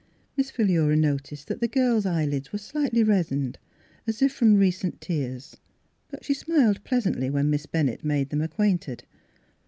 Miss Philura noticed that the girl's eye lids were slightly reddened, as if from re cent tears. But she smiled pleasantly when Miss Bennett made them acquainted.